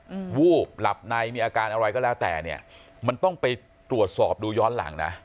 วูบหลับในมีอาการอะไรก็แล้วแต่เนี้ยมันต้องไปตรวจสอบดูย้อนหลังนะ